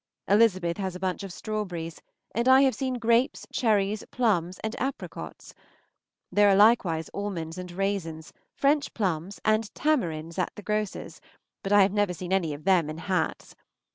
Elizabeth has a bunch of strawberries, and I have seen grapes, cherries, plums, and apricots. There are likewise almonds and raisins, French plums, and tamarinds at the grocers', but I have never seen any of them in hats.